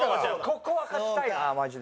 ここは勝ちたいなマジで。